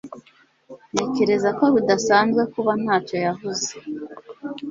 Ntekereza ko bidasanzwe kuba ntacyo yavuze